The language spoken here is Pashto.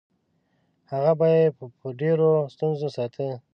هغه به یې په ډېرو ستونزو ساته.